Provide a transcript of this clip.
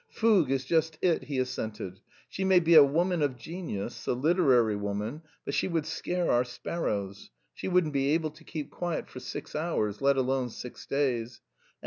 "Fougue is just it," he assented. "She may be a woman of genius, a literary woman, but she would scare our sparrows. She wouldn't be able to keep quiet for six hours, let alone six days.